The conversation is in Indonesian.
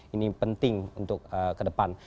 ini penting untuk kedepan